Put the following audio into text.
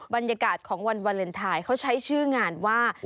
บรรยากาศของวันวาเลนไทยเขาใช้ชื่องานว่า